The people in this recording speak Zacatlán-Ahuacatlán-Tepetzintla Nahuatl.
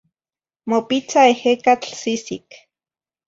Mopitza ehecatl sisic.